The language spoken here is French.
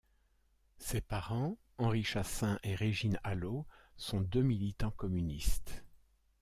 Ses parents, Henri Chassaing et Régine Allo sont deux militants communistes.